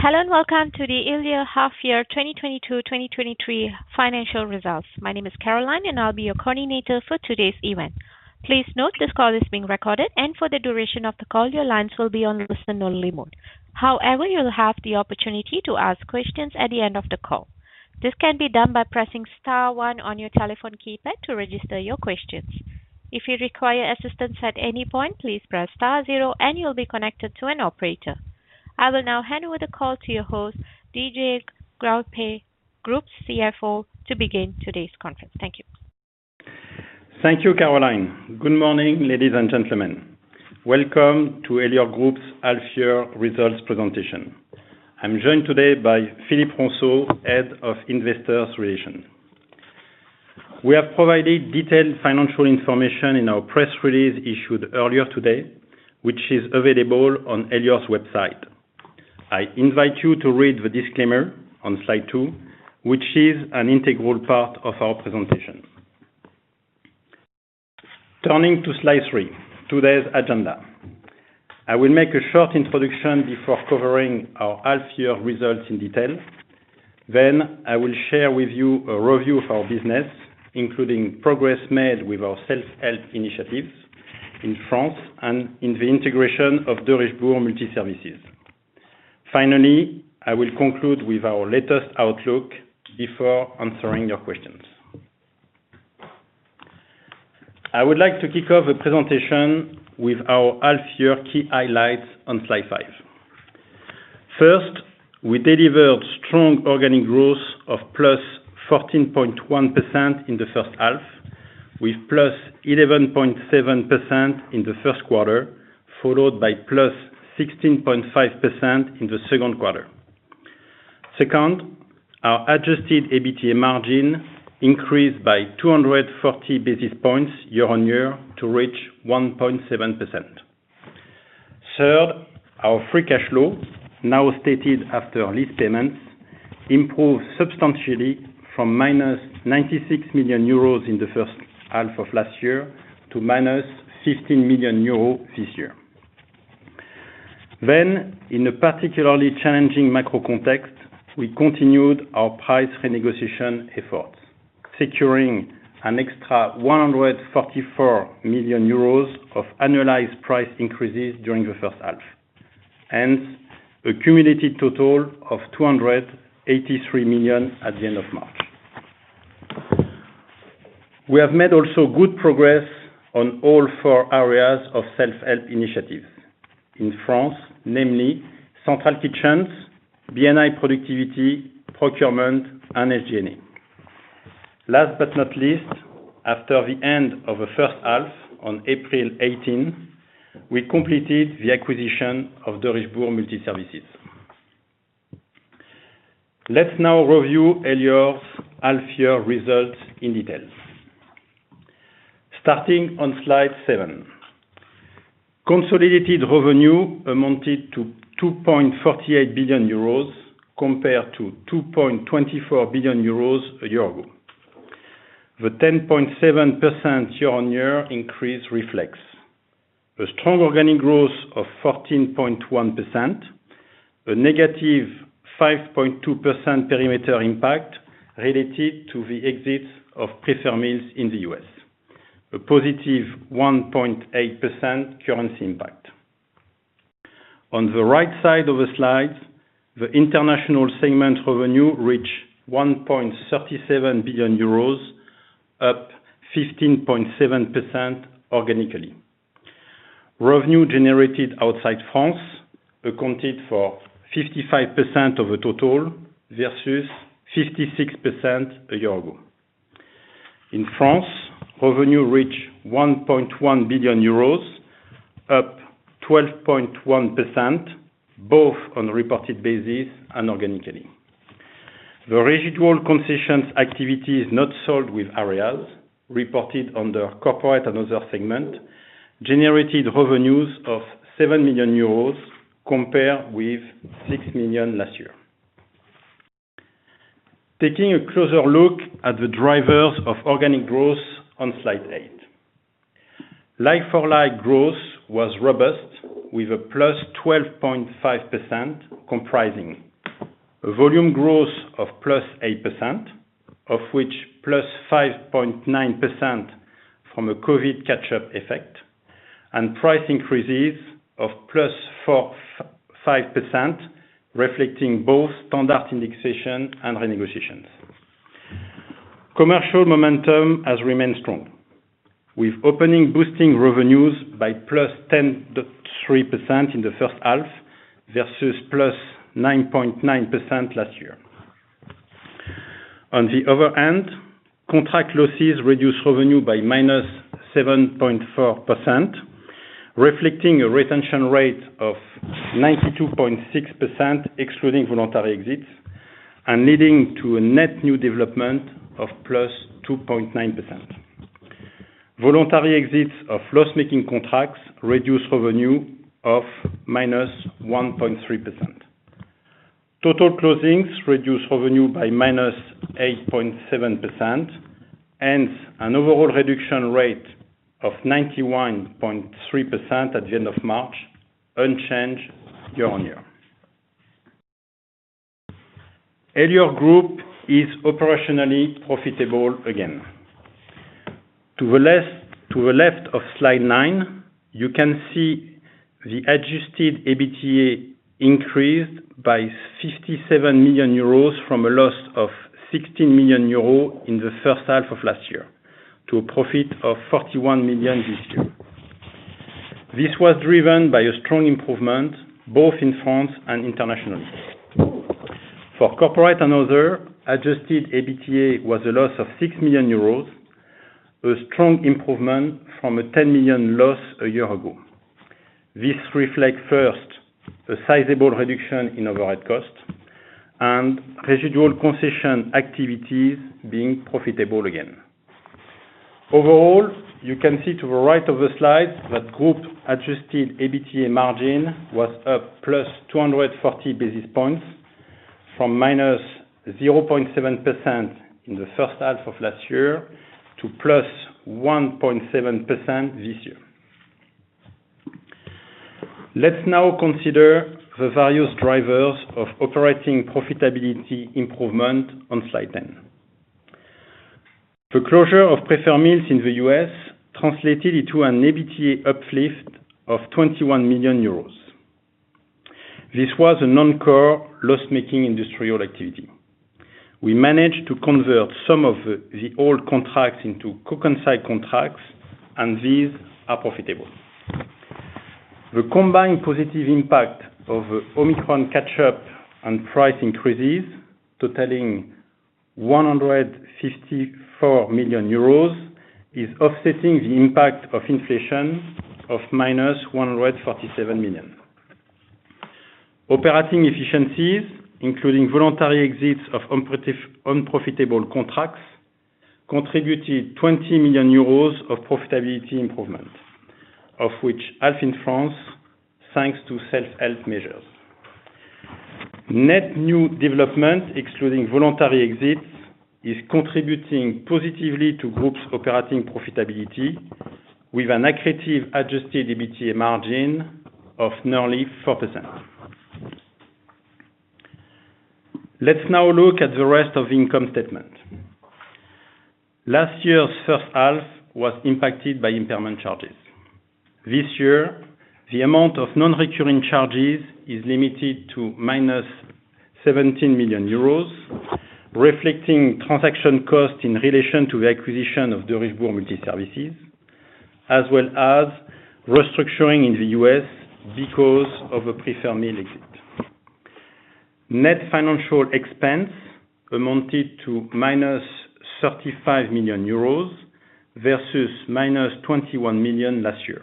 Hello, welcome to the Elior Half Year 2022/2023 Financial Results. My name is Caroline, and I'll be your coordinator for today's event. Please note this call is being recorded, and for the duration of the call, your lines will be on listen only mode. However, you'll have the opportunity to ask questions at the end of the call. This can be done by pressing star one on your telephone keypad to register your questions. If you require assistance at any point, please press star zero and you'll be connected to an operator. I will now hand over the call to your host, Didier Grandpré, Group CFO, to begin today's conference. Thank you. Thank you, Caroline. Good morning, ladies and gentlemen. Welcome to Elior Group's Half Year Results presentation. I'm joined today by Philippe Ronceau, Head of Investor Relations. We have provided detailed financial information in our press release issued earlier today, which is available on Elior's website. I invite you to read the disclaimer on Slide 2, which is an integral part of our presentation. Turning to Slide 3, today's agenda. I will make a short introduction before covering our half year results in detail. I will share with you a review of our business, including progress made with our self-help initiatives in France and in the integration of Derichebourg Multiservices. I will conclude with our latest outlook before answering your questions. I would like to kick off the presentation with our half year key highlights on Slide 5. First, we delivered strong organic growth of +14.1% in the first half, with +11.7% in the first quarter, followed by +16.5% in the second quarter. Second, our adjusted EBITA margin increased by 240 basis points year-on-year to reach 1.7%. Third, our free cash flow, now stated after lease payments, improved substantially from -96 million euros in the first half of last year to -15 million euros this year. In a particularly challenging macro context, we continued our price renegotiation efforts, securing an extra 144 million euros of annualized price increases during the first half. Hence, a cumulative total of 283 million at the end of March. We have made also good progress on all four areas of self-help initiatives. In France, namely central kitchens, B&I productivity, procurement, and SG&A. Last but not least, after the end of the first half on April 18th, we completed the acquisition of Derichebourg Multiservices. Let's now review Elior's half-year results in detail. Starting on Slide 7. Consolidated revenue amounted to 2.48 billion euros compared to 2.24 billion euros a year ago. The 10.7% year-on-year increase reflects the strong organic growth of 14.1%, a -5.2% perimeter impact related to the exits of Preferred Meals in the U.S. A +1.8% currency impact. On the right side of the slide, the international segment revenue reached 1.37 billion euros, up 15.7% organically. Revenue generated outside France accounted for 55% of the total versus 56% a year ago. In France, revenue reached 1.1 billion euros, up 12.1%, both on a reported basis and organically. The residual concessions activity is not sold with areas, reported under corporate and other segment, generated revenues of 7 million euros compared with 6 million last year. Taking a closer look at the drivers of organic growth on Slide 8. Like-for-like growth was robust with a +12.5% comprising. A volume growth of +8%, of which +5.9% from a COVID catch-up effect, and price increases of +5%, reflecting both standard indexation and renegotiations. Commercial momentum has remained strong, with opening boosting revenues by +10.3% in the first half versus +9.9% last year. On the other hand, contract losses reduced revenue by -7.4%, reflecting a retention rate of 92.6% excluding voluntary exits, and leading to a net new development of +2.9%. Voluntary exits of loss-making contracts reduced revenue of -1.3%. Total closings reduced revenue by -8.7%, hence an overall reduction rate of 91.3% at the end of March, unchanged year-on-year. Elior Group is operationally profitable again. To the left of Slide 9, you can see the adjusted EBITA increased by 57 million euros from a loss of 16 million euros in the first half of last year, to a profit of 41 million this year. This was driven by a strong improvement, both in France and internationally. For corporate and other, adjusted EBITA was a loss of 6 million euros, a strong improvement from a 10 million loss a year ago. This reflects first, a sizable reduction in overhead cost and residual concession activities being profitable again. You can see to the right of the slide that group-adjusted EBITA margin was up +240 basis points from -0.7% in the first half of last year to +1.7% this year. Let's now consider the various drivers of operating profitability improvement on Slide 10. The closure of Preferred Meals in the U.S. translated into an EBITA uplift of 21 million euros. This was a non-core loss-making industrial activity. We managed to convert some of the old contracts into cook site contracts, these are profitable. The combined positive impact of Omicron catch-up and price increases totaling 154 million euros is offsetting the impact of inflation of -147 million. Operating efficiencies, including voluntary exits of unprofitable contracts, contributed 20 million euros of profitability improvement, of which half in France, thanks to self-help measures. Net new development, excluding voluntary exits, is contributing positively to group's operating profitability with an accretive adjusted EBITA margin of nearly 4%. Let's now look at the rest of the income statement. Last year's first half was impacted by impairment charges. This year, the amount of non-recurring charges is limited to -17 million euros, reflecting transaction costs in relation to the acquisition of Derichebourg Multiservices, as well as restructuring in the U.S. because of a Preferred Meals exit. Net financial expense amounted to -35 million euros versus -21 million last year,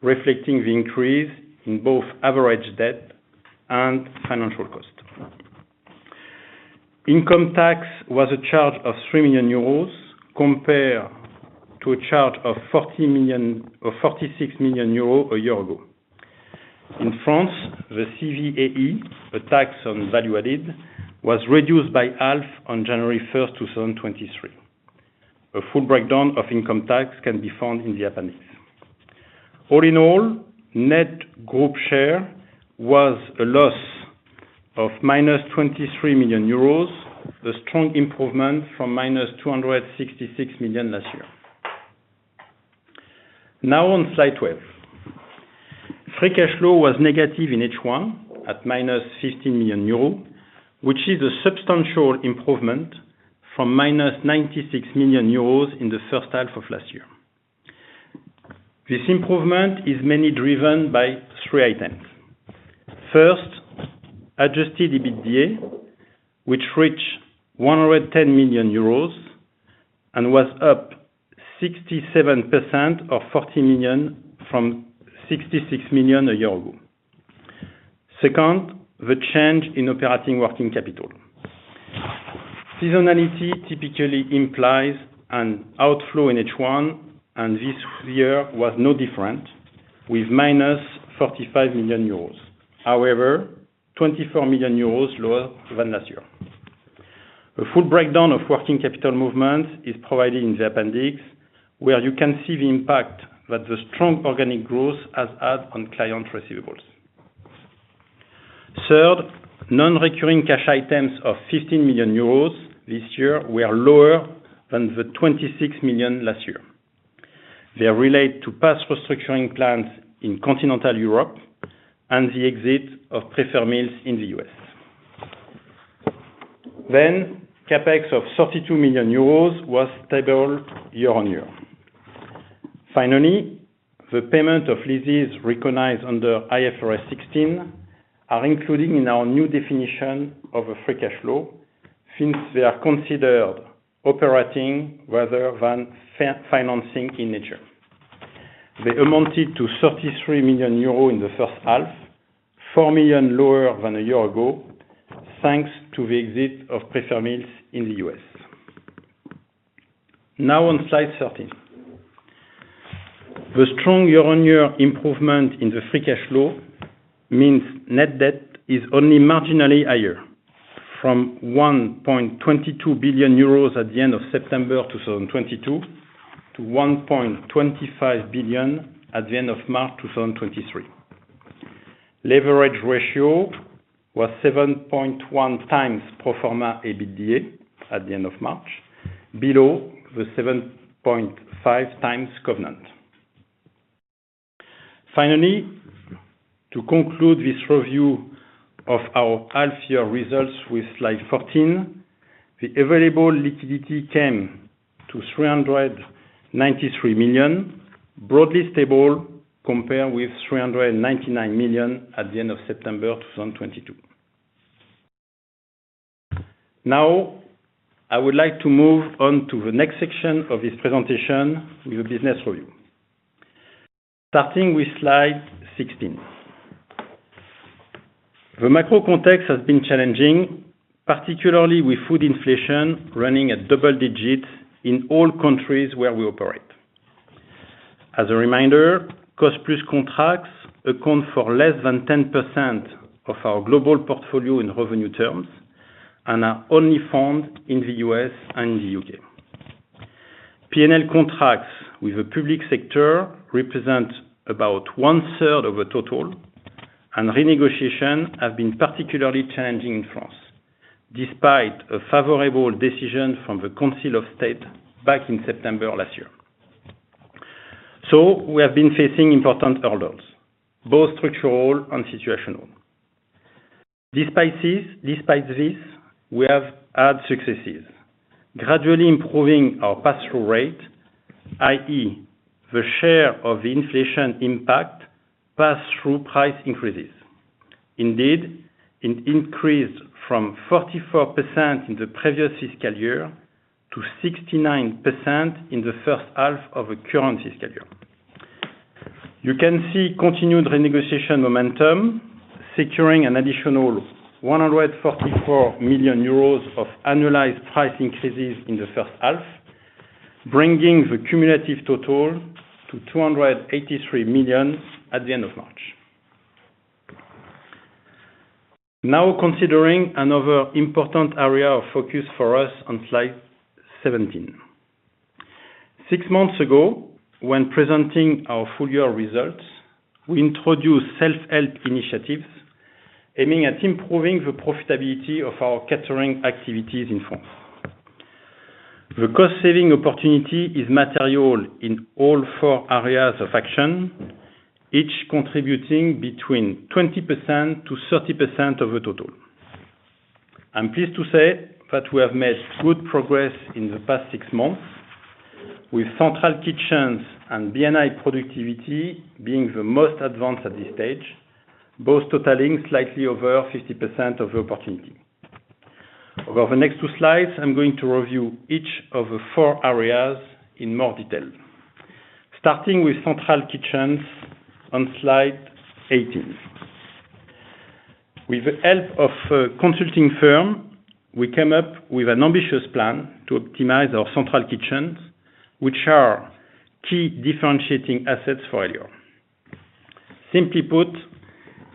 reflecting the increase in both average debt and financial cost. Income tax was a charge of 3 million euros compared to a charge of 40 million or 46 million euros a year ago. In France, the CVAE, a tax on value added, was reduced by half on January 1st, 2023. A full breakdown of income tax can be found in the appendix. All in all, net group share was a loss of -23 million euros, a strong improvement from -266 million last year. Now on Slide 12. Free cash flow was negative in H1 at -15 million euro, which is a substantial improvement from -96 million euros in the first half of last year. This improvement is mainly driven by three items. First, adjusted EBITDA, which reached 110 million euros and was up 67% of 40 million from 66 million a year ago. Second, the change in operating working capital. Seasonality typically implies an outflow in H1. This year was no different, with -45 million euros, however, 24 million euros lower than last year. A full breakdown of working capital movement is provided in the appendix, where you can see the impact that the strong organic growth has had on client receivables. Third, non-recurring cash items of 15 million euros this year were lower than the 26 million last year. They are related to past restructuring plans in continental Europe and the exit of Preferred Meals in the U.S. CapEx of EUR 32 million was stable year-on-year. The payment of leases recognized under IFRS 16 are included in our new definition of a free cash flow, since they are considered operating rather than financing in nature. They amounted to 33 million euros in the first half, 4 million lower than a year ago, thanks to the exit of Preferred Meals in the U.S. On Slide 13. The strong year-on-year improvement in the free cash flow means net debt is only marginally higher, from 1.22 billion euros at the end of September 2022, to 1.25 billion at the end of March 2023. Leverage ratio was 7.1x pro forma EBITDA at the end of March, below the 7.5x covenant. To conclude this review of our half year results with Slide 14, the available liquidity came to 393 million, broadly stable compared with 399 million at the end of September 2022. I would like to move on to the next section of this presentation with the business review. Starting with Slide 16. The macro context has been challenging, particularly with food inflation running at double digits in all countries where we operate. As a reminder, cost-plus contracts account for less than 10% of our global portfolio in revenue terms, and are only found in the U.S. and the U.K. P&L contracts with the public sector represent about one-third of the total, and renegotiation have been particularly challenging in France, despite a favorable decision from the Council of State back in September of last year. We have been facing important hurdles, both structural and situational. Despite this, we have had successes, gradually improving our pass-through rate, i.e., the share of the inflation impact pass through price increases. Indeed, it increased from 44% in the previous fiscal year to 69% in the first half of the current fiscal year. You can see continued renegotiation momentum, securing an additional 144 million euros of annualized price increases in the first half, bringing the cumulative total to 283 million at the end of March. Considering another important area of focus for us on Slide 17. Six months ago, when presenting our full year results, we introduced self-help initiatives aiming at improving the profitability of our catering activities in France. The cost-saving opportunity is material in all four areas of action, each contributing between 20%-30% of the total. I'm pleased to say that we have made good progress in the past six months, with central kitchens and B&I productivity being the most advanced at this stage, both totaling slightly over 50% of the opportunity. Over the next two slides, I'm going to review each of the four areas in more detail. Starting with central kitchens on Slide 18. With the help of a consulting firm, we came up with an ambitious plan to optimize our central kitchens, which are key differentiating assets for Elior. Simply put,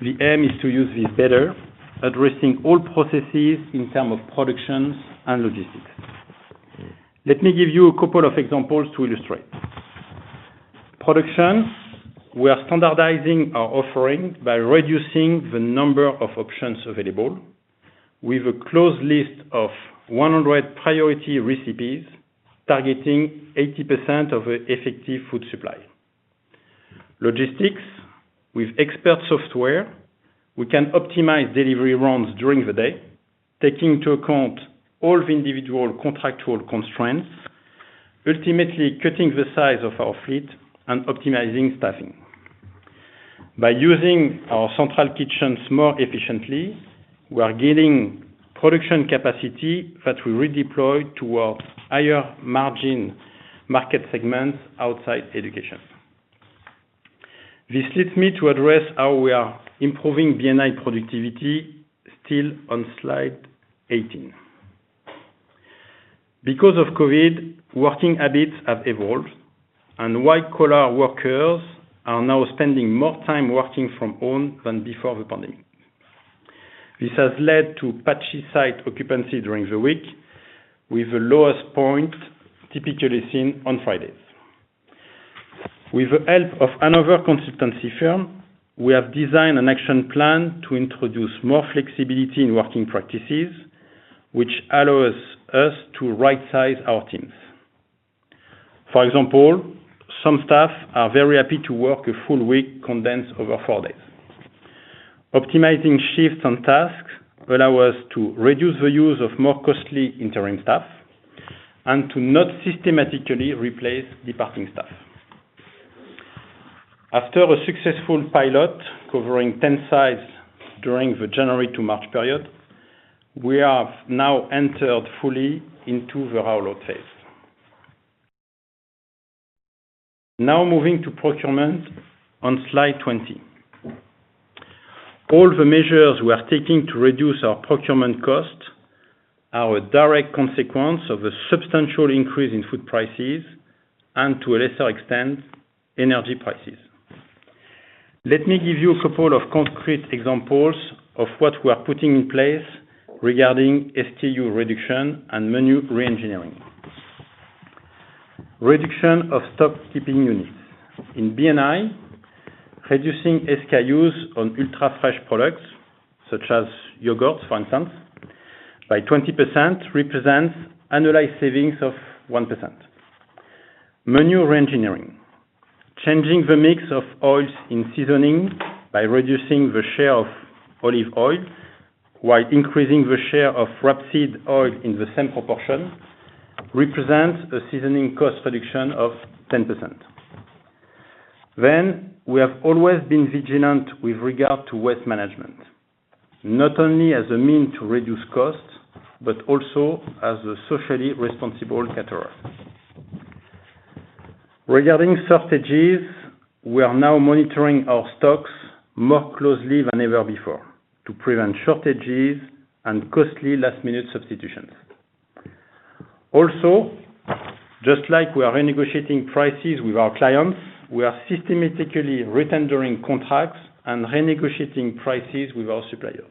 the aim is to use these better, addressing all processes in terms of production and logistics. Let me give you a couple of examples to illustrate. Production, we are standardizing our offering by reducing the number of options available with a closed list of 100 priority recipes, targeting 80% of the effective food supply. Logistics. With expert software, we can optimize delivery runs during the day, taking into account all the individual contractual constraints, ultimately cutting the size of our fleet and optimizing staffing. By using our central kitchens more efficiently, we are gaining production capacity that we redeploy towards higher margin market segments outside education. This leads me to address how we are improving B&I productivity still on Slide 18. Because of COVID, working habits have evolved, and white-collar workers are now spending more time working from home than before the pandemic. This has led to patchy site occupancy during the week, with the lowest point typically seen on Fridays. With the help of another consultancy firm, we have designed an action plan to introduce more flexibility in working practices, which allows us to right-size our teams. For example, some staff are very happy to work a full week condensed over four days. Optimizing shifts and tasks allow us to reduce the use of more costly interim staff and to not systematically replace departing staff. After a successful pilot covering 10 sites during the January to March period, we have now entered fully into the rollout phase. Moving to procurement on Slide 20. All the measures we are taking to reduce our procurement costs are a direct consequence of a substantial increase in food prices, and to a lesser extent, energy prices. Let me give you a couple of concrete examples of what we are putting in place regarding STU reduction and menu reengineering. Reduction of stock keeping units. In B&I, reducing SKUs on ultra-fresh products, such as yogurt, for instance, by 20% represents annualized savings of 1%. Menu reengineering. Changing the mix of oils in seasoning by reducing the share of olive oil while increasing the share of rapeseed oil in the same proportion represents a seasoning cost reduction of 10%. We have always been vigilant with regard to waste management, not only as a means to reduce costs, but also as a socially responsible caterer. Regarding shortages, we are now monitoring our stocks more closely than ever before to prevent shortages and costly last-minute substitutions. Just like we are renegotiating prices with our clients, we are systematically retendering contracts and renegotiating prices with our suppliers.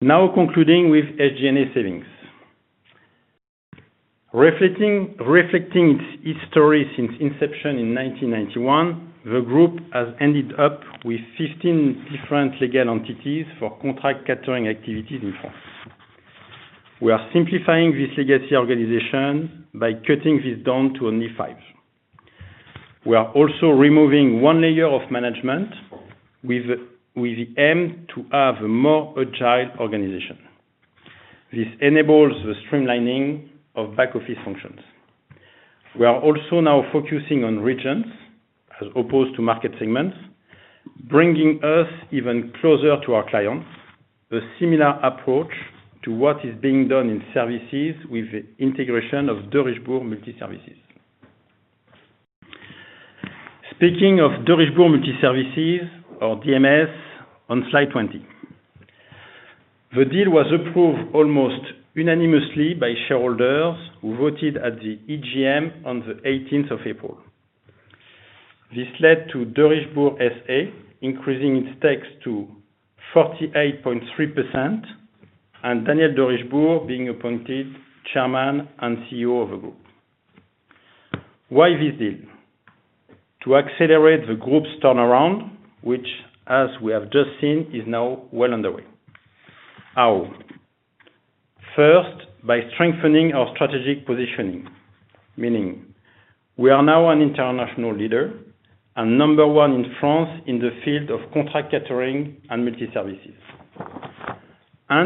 Concluding with SG&A savings. Reflecting its history since inception in 1991, the group has ended up with 15 different legal entities for contract catering activities in France. We are simplifying this legacy organization by cutting this down to only five. We are also removing one layer of management with the aim to have a more agile organization. This enables the streamlining of back office functions. We are also now focusing on regions as opposed to market segments, bringing us even closer to our clients, a similar approach to what is being done in services with the integration of Derichebourg Multiservices. Speaking of Derichebourg Multiservices or DMS on Slide 20. The deal was approved almost unanimously by shareholders who voted at the EGM on the 18th of April. This led to Derichebourg SA increasing its stakes to 48.3%, and Daniel Derichebourg being appointed Chairman and CEO of the group. Why this deal? To accelerate the group's turnaround, which as we have just seen, is now well underway. How? First, by strengthening our strategic positioning, meaning we are now an international leader and number one in France in the field of contract catering and multiservices.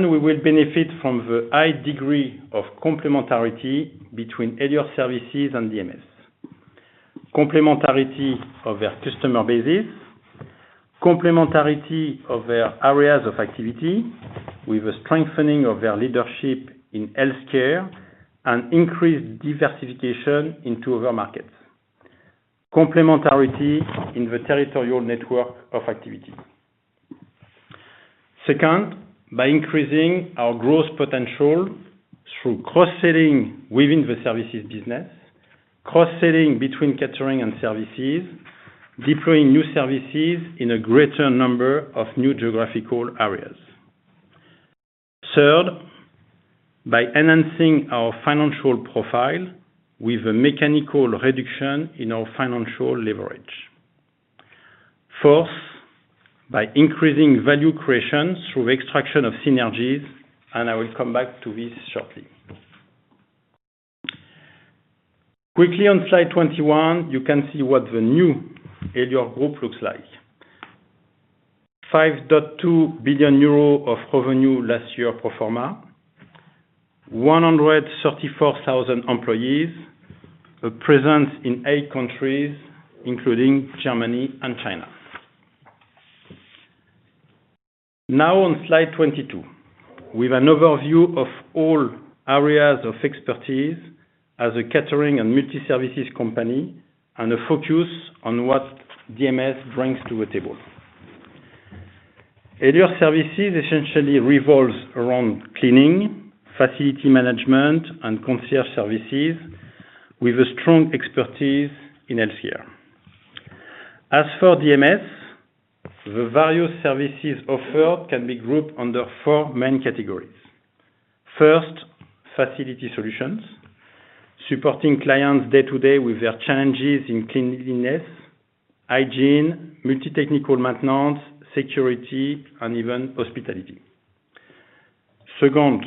We will benefit from the high degree of complementarity between Elior Services and DMS. Complementarity of their customer bases, complementarity of their areas of activity with the strengthening of their leadership in healthcare and increased diversification into other markets. Complementarity in the territorial network of activity. Second, by increasing our growth potential through cross-selling within the services business, cross-selling between catering and services, deploying new services in a greater number of new geographical areas. Third, by enhancing our financial profile with a mechanical reduction in our financial leverage. Fourth, by increasing value creation through extraction of synergies, and I will come back to this shortly. Quickly on Slide 21, you can see what the new Elior Group looks like. 5.2 billion euros of revenue last year pro forma, 134,000 employees, a presence in eight countries, including Germany and China. Now on Slide 22, with an overview of all areas of expertise as a catering and multiservices company, and a focus on what DMS brings to the table. Elior Services essentially revolves around cleaning, facility management, and concierge services with a strong expertise in healthcare. As for DMS, the various services offered can be grouped under four main categories. First, facility solutions, supporting clients day-to-day with their challenges in cleanliness, hygiene, multi-technical maintenance, security, and even hospitality. Second,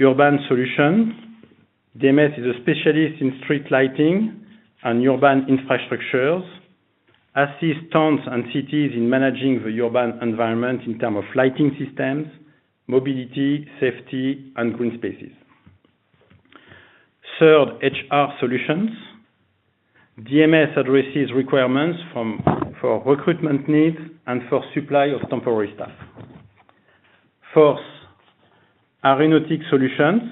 urban solutions. DMS is a specialist in street lighting and urban infrastructures, assists towns and cities in managing the urban environment in terms of lighting systems, mobility, safety, and green spaces. Third, HR solutions. DMS addresses requirements for recruitment needs and for supply of temporary staff. First, aeronautic solutions.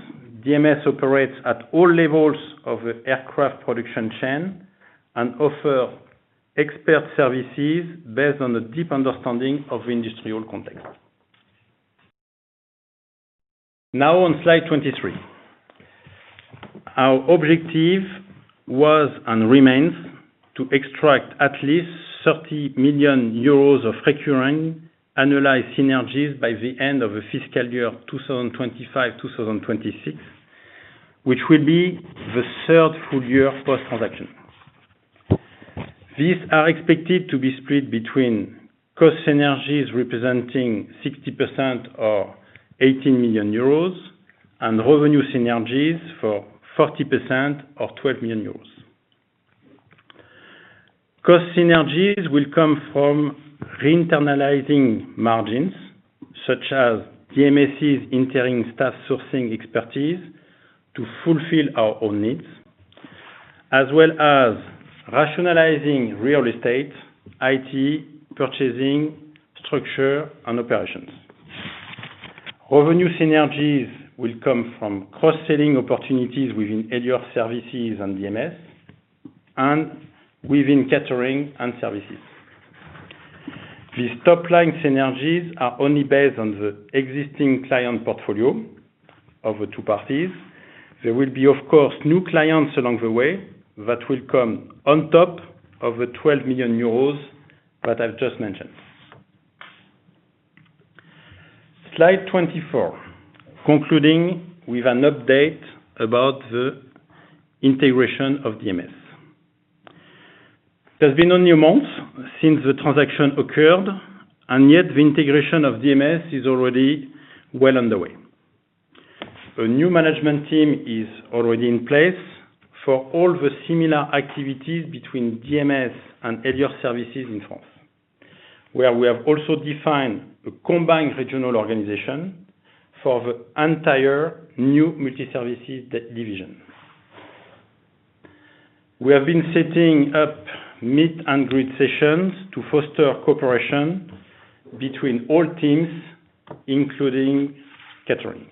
DMS operates at all levels of the aircraft production chain and offer expert services based on a deep understanding of industrial context. On Slide 23. Our objective was and remains to extract at least 30 million euros of recurring analyzed synergies by the end of the fiscal year 2025, 2026, which will be the third full year post-transaction. These are expected to be split between cost synergies representing 60% or 18 million euros, and revenue synergies for 40% or 12 million euros. Cost synergies will come from re-internalizing margins such as DMS' entering staff sourcing expertise to fulfill our own needs, as well as rationalizing real estate, IT, purchasing, structure and operations. Revenue synergies will come from cross-selling opportunities within Elior Services and DMS and within catering and services. These top-line synergies are only based on the existing client portfolio of the two parties. There will be, of course, new clients along the way that will come on top of the 12 million euros that I've just mentioned. Slide 24, concluding with an update about the integration of DMS. There's been only a month since the transaction occurred, and yet the integration of DMS is already well underway. A new management team is already in place for all the similar activities between DMS and Elior Services in France, where we have also defined a combined regional organization for the entire new multi-services division. We have been setting up meet and greet sessions to foster cooperation between all teams, including catering.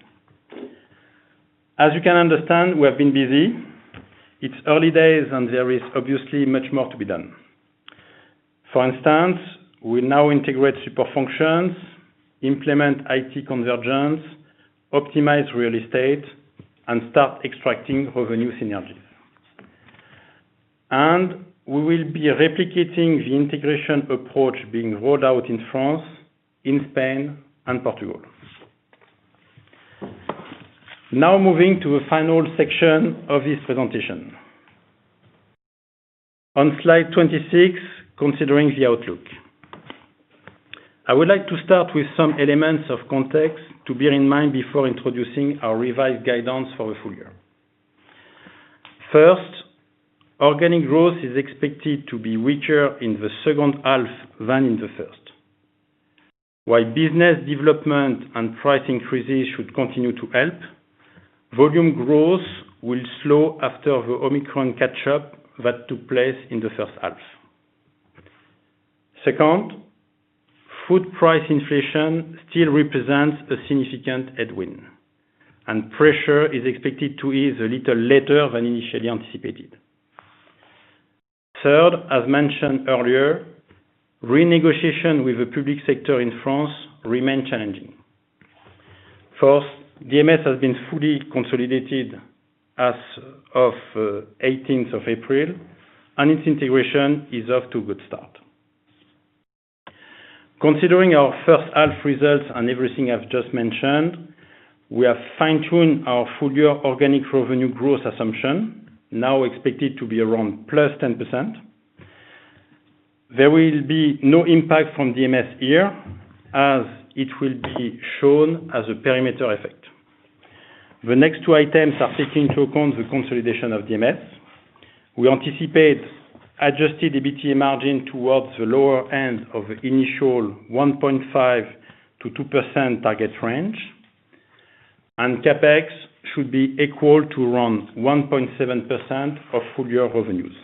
As you can understand, we have been busy. It's early days, and there is obviously much more to be done. For instance, we now integrate super functions, implement IT convergence, optimize real estate, and start extracting revenue synergies. We will be replicating the integration approach being rolled out in France, in Spain and Portugal. Moving to the final section of this presentation. On Slide 26, considering the outlook. I would like to start with some elements of context to bear in mind before introducing our revised guidance for the full year. First, organic growth is expected to be richer in the second half than in the first. While business development and price increases should continue to help, volume growth will slow after the Omicron catch-up that took place in the first half. Second, food price inflation still represents a significant headwind, and pressure is expected to ease a little later than initially anticipated. Third, as mentioned earlier, renegotiation with the public sector in France remains challenging. First, DMS has been fully consolidated as of 18th of April, and its integration is off to a good start. Considering our first half results and everything I've just mentioned, we have fine-tuned our full year organic revenue growth assumption, now expected to be around +10%. There will be no impact from DMS here, as it will be shown as a perimeter effect. The next two items are taking into account the consolidation of DMS. We anticipate adjusted EBITA margin towards the lower end of the initial 1.5%-2% target range. CapEx should be equal to around 1.7% of full year revenues.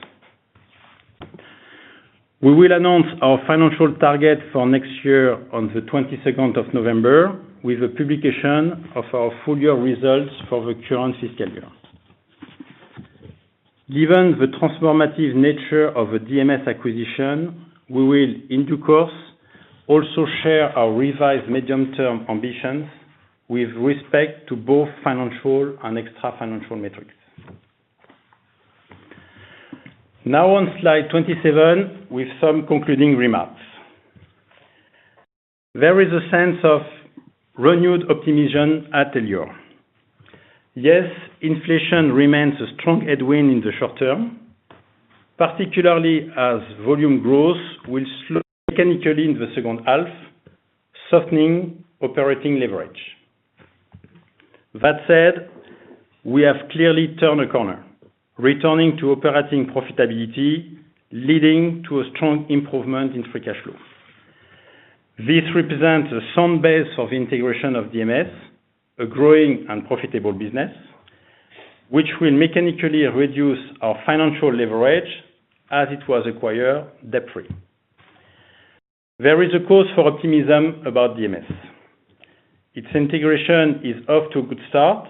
We will announce our financial target for next year on the 22nd of November with the publication of our full year results for the current fiscal year. Given the transformative nature of the DMS acquisition, we will, in due course, also share our revised medium-term ambitions with respect to both financial and extra-financial metrics. On Slide 27 with some concluding remarks. There is a sense of renewed optimism at Elior. Inflation remains a strong headwind in the short term, particularly as volume growth will slow mechanically in the second half, softening operating leverage. That said, we have clearly turned a corner, returning to operating profitability, leading to a strong improvement in free cash flow. This represents a sound base of integration of DMS, a growing and profitable business. It will mechanically reduce our financial leverage as it was acquired debt-free. There is a cause for optimism about DMS. Its integration is off to a good start,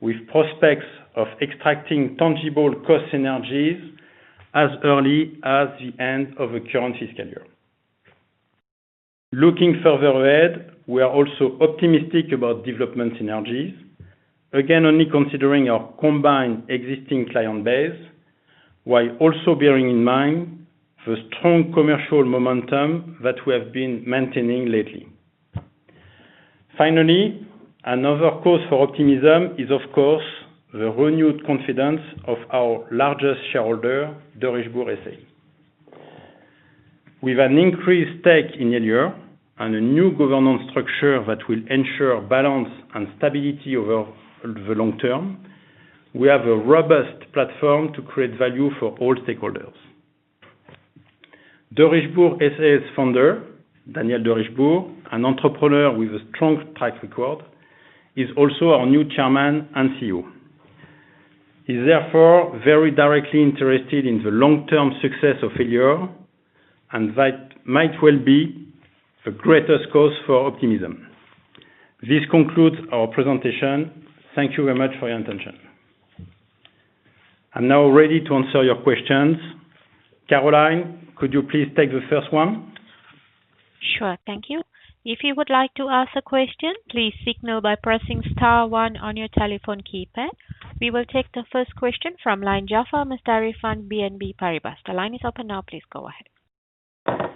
with prospects of extracting tangible cost synergies as early as the end of the current fiscal year. Looking further ahead, we are also optimistic about development synergies. Again, only considering our combined existing client base, while also bearing in mind the strong commercial momentum that we have been maintaining lately. Finally, another cause for optimism is of course, the renewed confidence of our largest shareholder, Derichebourg SA. With an increased stake in Elior and a new governance structure that will ensure balance and stability over the long term, we have a robust platform to create value for all stakeholders. Derichebourg SA's founder, Daniel Derichebourg, an entrepreneur with a strong track record, is also our new Chairman and CEO. He's therefore very directly interested in the long-term success of Elior. That might well be the greatest cause for optimism. This concludes our presentation. Thank you very much for your attention. I'm now ready to answer your questions. Caroline, could you please take the first one? Sure. Thank you. If you would like to ask a question, please signal by pressing star one on your telephone keypad. We will take the first question from line Jaafar Mestari, BNP Paribas. The line is open now. Please go ahead.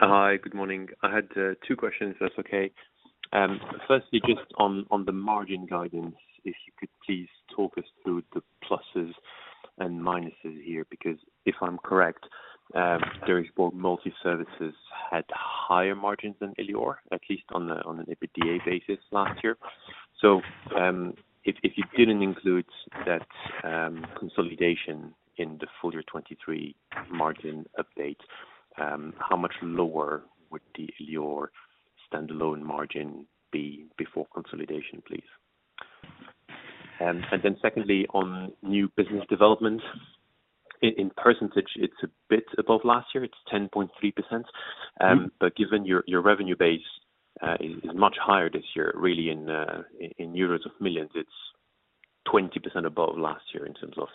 Hi. Good morning. I had, two questions, if that's okay. Firstly, just on the margin guidance, if you could please talk us through the pluses and minuses here, because if I'm correct, Derichebourg Multiservices had higher margins than Elior, at least on the, on an EBITA basis last year. If, if you didn't include that, consolidation in the full year 2023 margin update, how much lower would the Elior standalone margin be before consolidation, please? Secondly, on new business development, in percentage it's a bit above last year, it's 10.3%. Mm-hmm. Given your revenue base is much higher this year, really in euros of millions, it's 20% above last year in terms of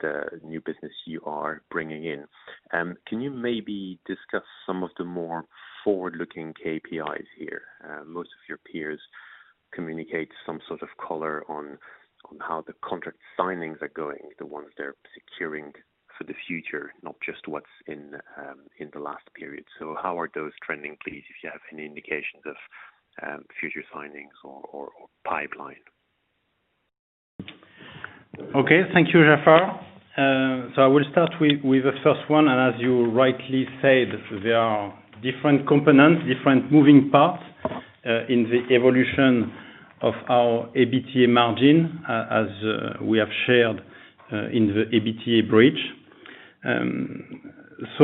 the new business you are bringing in. Can you maybe discuss some of the more forward-looking KPIs here? Most of your peers communicate some sort of color on how the contract signings are going, the ones they're securing for the future, not just what's in in the last period. How are those trending, please, if you have any indications of future signings or pipeline? Okay. Thank you, Jaafar. I will start with the first one, as you rightly said, there are different components, different moving parts in the evolution of our EBITA margin, as we have shared in the EBITA bridge. The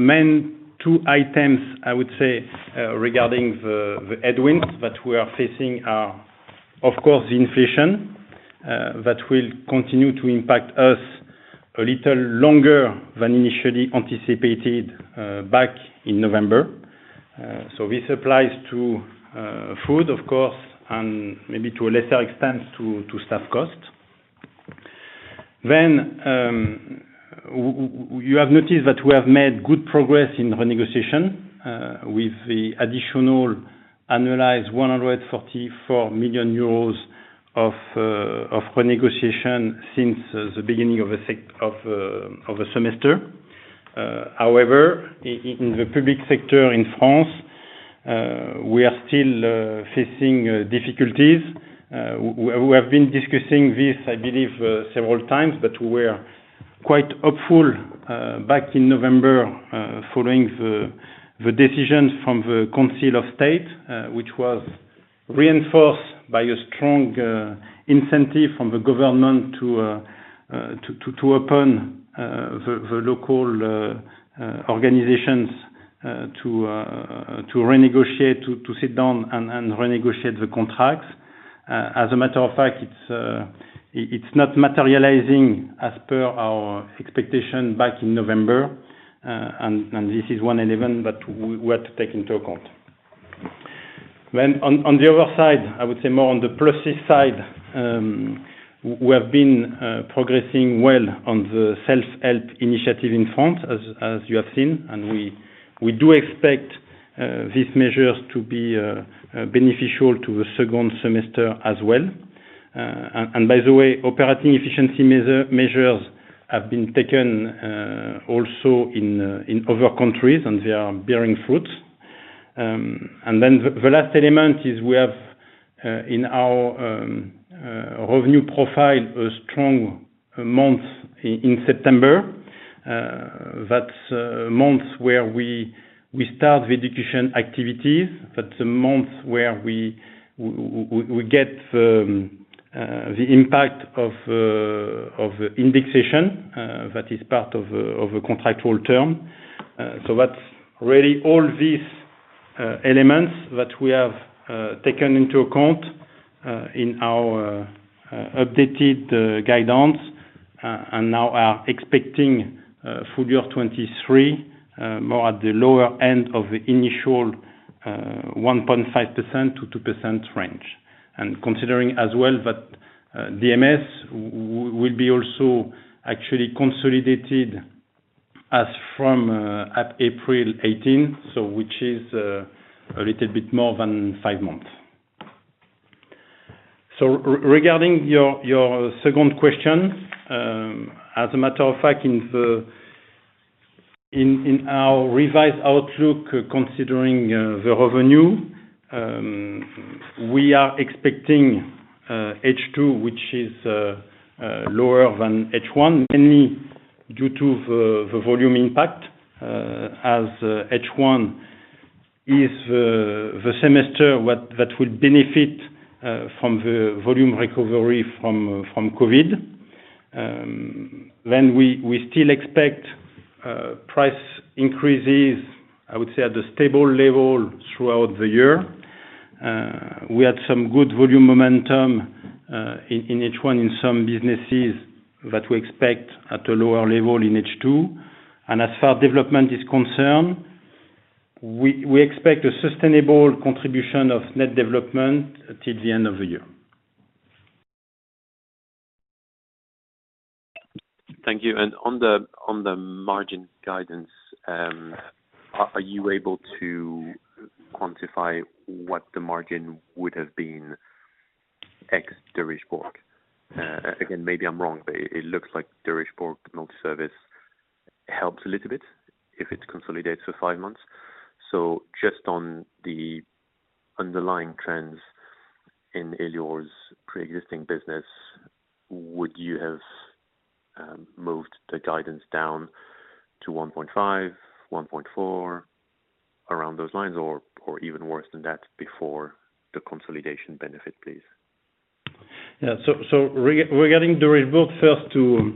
main two items I would say regarding the headwinds that we are facing are, of course, the inflation that will continue to impact us a little longer than initially anticipated back in November. This applies to food, of course, and maybe to a lesser extent, to staff cost. You have noticed that we have made good progress in renegotiation with the additional annualized 144 million euros of renegotiation since the beginning of a semester. However, in the public sector in France, we are still facing difficulties. We have been discussing this, I believe, several times, but we were quite hopeful back in November, following the decisions from the Council of State, which was reinforced by a strong incentive from the government to open the local organizations to renegotiate, to sit down and renegotiate the contracts. As a matter of fact, it's not materializing as per our expectation back in November. This is one element that we had to take into account. On the other side, I would say more on the process side, we have been progressing well on the self-help initiative in France as you have seen. We do expect these measures to be beneficial to the second semester as well. By the way, operating efficiency measures have been taken also in other countries, and they are bearing fruit. The last element is we have in our revenue profile, a strong month in September. That's a month where we start the education activities. That's a month where we get the impact of indexation that is part of a contractual term. That's really all these elements that we have taken into account in our updated guidance, and now are expecting full year 2023 more at the lower end of the initial 1.5%-2% range. Considering as well that DMS will be also actually consolidated as from April 18, which is a little bit more than five months. Regarding your second question, as a matter of fact, in our revised outlook, considering the revenue, we are expecting H2, which is lower than H1, mainly due to the volume impact, as H1 is the semester that will benefit from the volume recovery from COVID. We still expect price increases, I would say, at a stable level throughout the year. We had some good volume momentum in H1 in some businesses that we expect at a lower level in H2. As far as development is concerned, we expect a sustainable contribution of net development till the end of the year. Thank you. On the margin guidance, are you able to quantify what the margin would have been ex-Derichebourg? Again, maybe I'm wrong, but it looks like Derichebourg Multiservices helps a little bit if it consolidates for five months. Just on the underlying trends in Elior's preexisting business, would you have moved the guidance down to 1.5%, 1.4%, around those lines or even worse than that before the consolidation benefit, please? Yeah. Regarding Derichebourg first to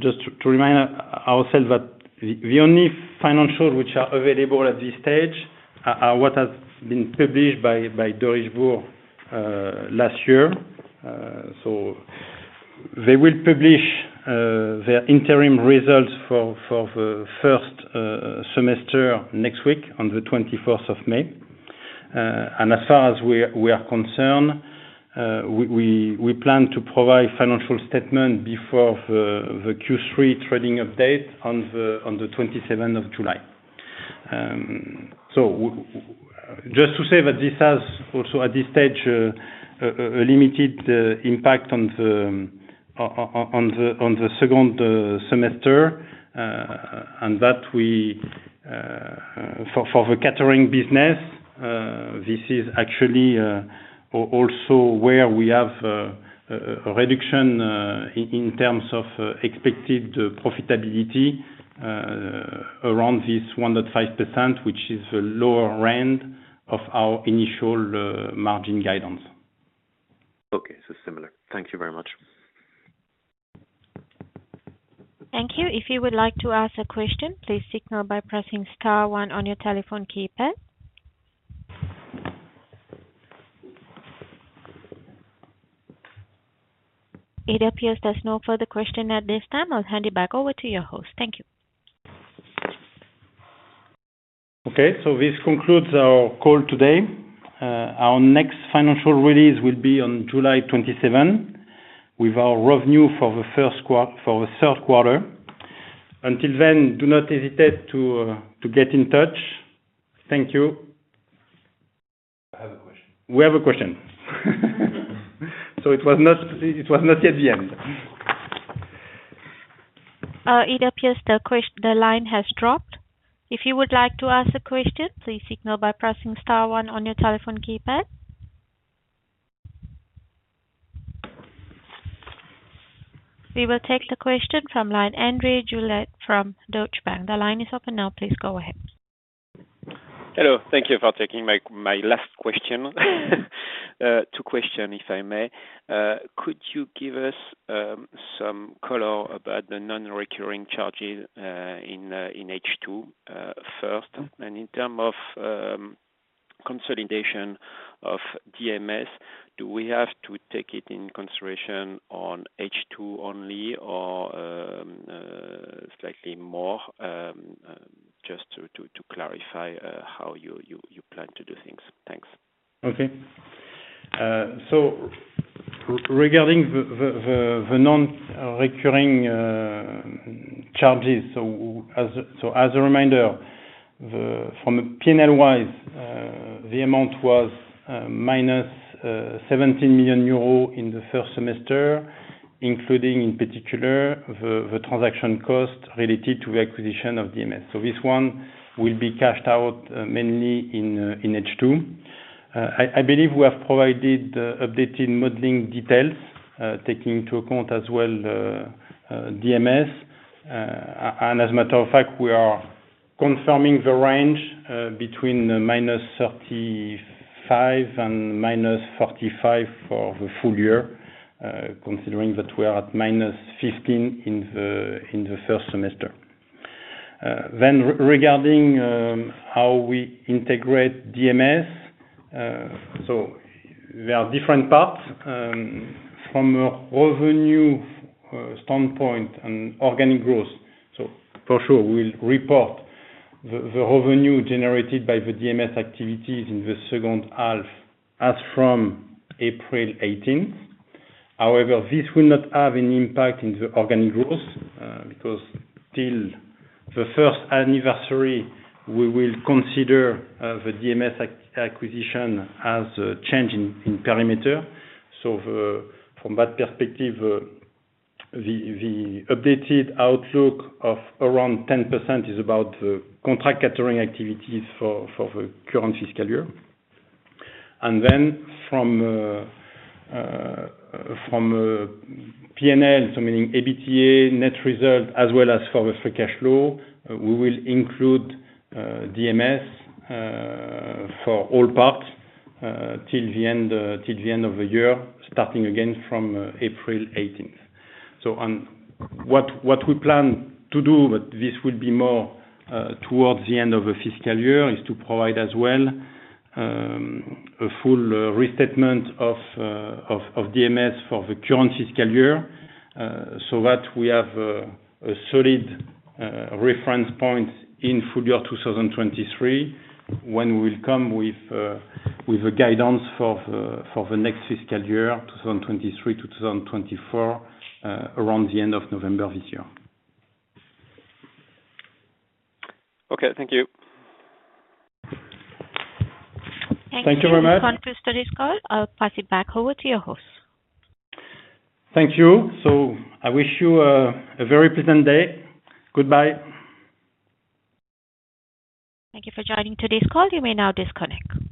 just to remind ourselves that the only financials which are available at this stage are what has been published by Derichebourg last year. They will publish their interim results for the first semester next week on the 21st of May. As far as we are concerned, we plan to provide financial statement before the Q3 trading update on the 27th of July. Just to say that this has also, at this stage, a limited impact on the second semester, and that we, for the catering business, this is actually also where we have a reduction in terms of expected profitability, around this 1.5%, which is a lower end of our initial margin guidance. Okay. Similar. Thank you very much. Thank you. If you would like to ask a question, please signal by pressing star one on your telephone keypad. It appears there's no further question at this time. I'll hand it back over to your host. Thank you. Okay. This concludes our call today. Our next financial release will be on July 27 with our revenue for the third quarter. Until then, do not hesitate to get in touch. Thank you. We have a question. We have a question. It was not, it was not at the end. It appears the line has dropped. If you would like to ask a question, please signal by pressing star one on your telephone keypad. We will take the question from line André Juillard from Deutsche Bank. The line is open now. Please go ahead. Hello. Thank you for taking my last question. Two questions, if I may. Could you give us some color about the non-recurring charges in H2 first? In terms of consolidation of DMS, do we have to take it in consideration on H2 only or slightly more? Just to clarify how you plan to do things. Thanks. Okay. Regarding the non-recurring charges. As a reminder, the from a P&L wise, the amount was -17 million euro in the first semester, including, in particular, the transaction cost related to the acquisition of DMS. This one will be cashed out mainly in H2. I believe we have provided updated modeling details, taking into account as well the DMS. As a matter of fact, we are confirming the range between -35 million and -45 million for the full year, considering that we are at -15 million in the first semester. Regarding how we integrate DMS. There are different parts from a revenue standpoint and organic growth. For sure, we'll report the revenue generated by the DMS activities in the second half as from April 18th. This will not have any impact in the organic growth because till the first anniversary, we will consider the DMS acquisition as a change in perimeter. From that perspective, the updated outlook of around 10% is about the contract catering activities for the current fiscal year. From P&L, so meaning EBITA net reserve as well as for the free cash flow, we will include DMS for all parts till the end of the year, starting again from April 18th. On what we plan to do, but this will be more towards the end of the fiscal year, is to provide as well a full restatement of DMS for the current fiscal year, so that we have a solid reference point in full year 2023, when we will come with a guidance for the next fiscal year, 2023-2024, around the end of November this year. Okay. Thank you. Thank you very much. Thank you. We're going to close today's call. I'll pass it back over to your host. Thank you. I wish you a very pleasant day. Goodbye. Thank you for joining today's call. You may now disconnect.